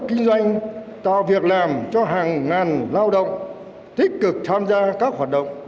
kinh doanh tạo việc làm cho hàng ngàn lao động tích cực tham gia các hoạt động